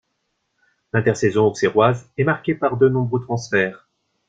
L'intersaison auxerroise est marquée par de nombreux transferts.